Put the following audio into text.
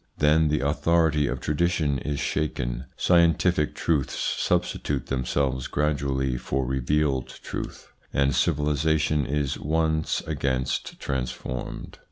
Then the authority of tradition is shaken, scientific truths substitute them selves gradually for revealed truth, and civilisation is once against transformed.